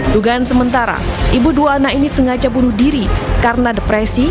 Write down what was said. dugaan sementara ibu dua anak ini sengaja bunuh diri karena depresi